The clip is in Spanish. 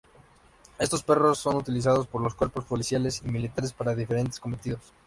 Estos perros son utilizados por los cuerpos policiales y militares para diferentes cometidos.